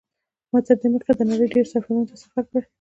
ما تر دې مخکې د نړۍ ډېرو هېوادونو ته سفرونه کړي.